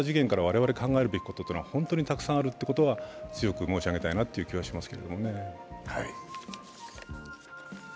つまり袴田事件から我々が考えなきゃいけないことは本当にたくさんあるということは強く申し上げたいという気がしますけどもね。